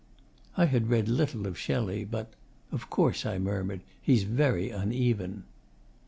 I had read little of Shelley, but 'Of course,' I murmured, 'he's very uneven.